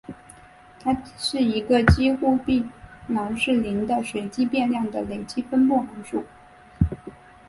它是一个几乎必然是零的随机变数的累积分布函数。